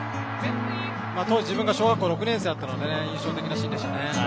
当時、自分が小学校６年生だったので印象的なシーンですね。